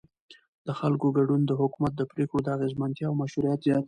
د خلکو ګډون د حکومت د پرېکړو د اغیزمنتیا او مشروعیت زیاتوي